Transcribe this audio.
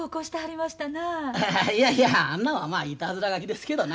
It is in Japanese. いやいやあんなんはまあいたずら書きですけどな。